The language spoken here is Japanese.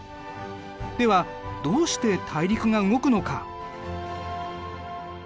ではどうして大陸が動くのか？